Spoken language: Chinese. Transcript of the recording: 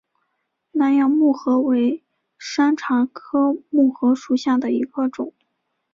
南洋木荷为山茶科木荷属下的一个种。